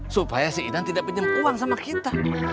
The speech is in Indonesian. supaya si inang tidak pinjam uang sama kita